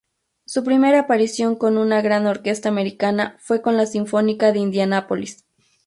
Su primera aparición con una gran orquesta americana fue con la Sinfónica de Indianápolis.